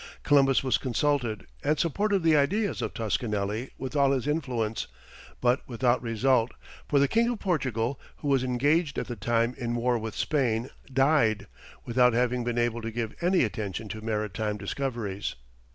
Columbus was consulted, and supported the ideas of Toscanelli with all his influence; but without result, for the King of Portugal, who was engaged at the time in war with Spain, died, without having been able to give any attention to maritime discoveries.